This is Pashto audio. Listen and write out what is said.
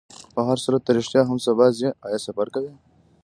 په هرصورت، ته رښتیا هم سبا ځې؟ آیا سفر کوې؟